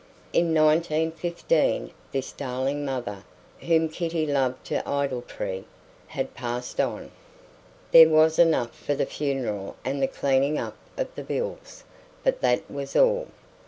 In 1915 this darling mother, whom Kitty loved to idolatry, had passed on. There was enough for the funeral and the cleaning up of the bills; but that was all.